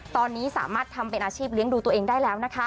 ตอนนี้สามารถทำเป็นอาชีพเลี้ยงดูตัวเองได้แล้วนะคะ